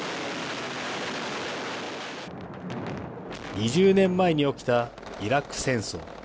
２０年前に起きたイラク戦争。